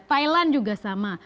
thailand juga sama